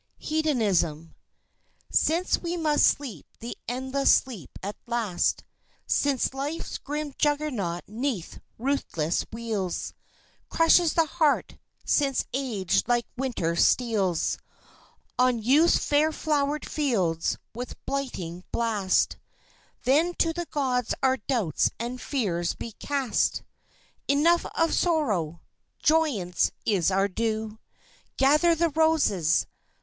Hedonism Since we must sleep the endless Sleep at last, Since Life's grim juggernaut 'neath ruthless wheels Crushes the heart; since Age like Winter steals On Youth's fair flowered fields with blighting blast Then to the gods our doubts and fears be cast! Enough of Sorrow! Joyance is our due. Gather the roses!